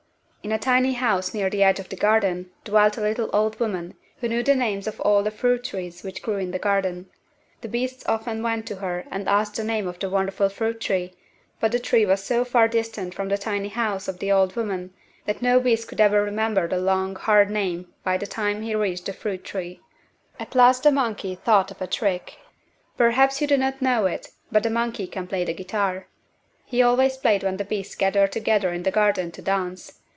In a tiny house near the edge of the garden dwelt a little old woman who knew the names of all the fruit trees which grew in the garden. The beasts often went to her and asked the name of the wonderful fruit tree, but the tree was so far distant from the tiny house of the little old woman that no beast could ever remember the long, hard name by the time he reached the fruit tree. At last the monkey thought of a trick. Perhaps you do not know it, but the monkey can play the guitar. He always played when the beasts gathered together in the garden to dance.